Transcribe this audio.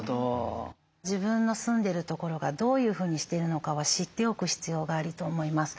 自分の住んでる所がどういうふうにしてるのかは知っておく必要があると思います。